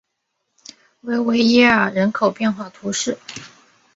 维维耶尔人口变化图示